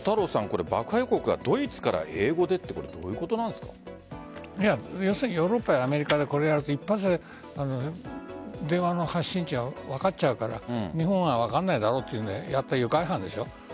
爆破予告はドイツから英語でってヨーロッパやアメリカは一発で電話の発信地は分かっちゃうから日本は分からないだろうというのでやったの愉快犯でしょ